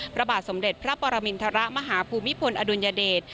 พระบาทสมเด็จพระปรมินทรมาฮภูมิพลอดุลยเดช